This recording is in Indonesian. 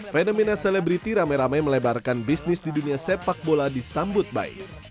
fenomena selebriti rame rame melebarkan bisnis di dunia sepak bola disambut baik